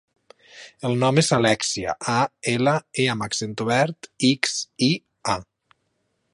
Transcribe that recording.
El nom és Alèxia: a, ela, e amb accent obert, ics, i, a.